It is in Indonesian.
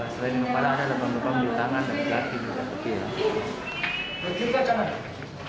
selain di kepala ada lebam lebam di tangan di kaki di kaki